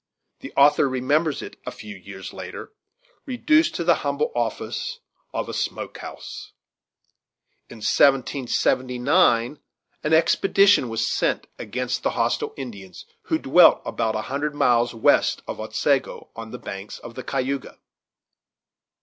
The author remembers it, a few years later, reduced to the humble office of a smoke house. In 1779 an expedition was sent against the hostile Indians, who dwelt about a hundred miles west of Otsego, on the banks of the Cayuga.